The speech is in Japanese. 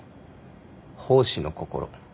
奉仕の心。